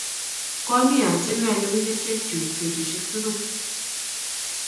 Kwami atyeme alugui kerchek chuk betushek tukul